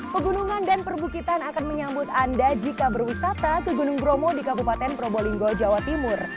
pegunungan dan perbukitan akan menyambut anda jika berwisata ke gunung bromo di kabupaten probolinggo jawa timur